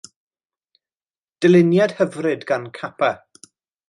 Dyluniad hyfryd gan Kappa.